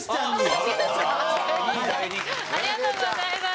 広瀬：ありがとうございます。